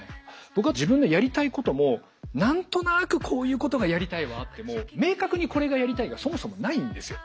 僕は自分のやりたいことも「何となくこういうことがやりたい」はあっても「明確にこれがやりたい」がそもそもないんですよ。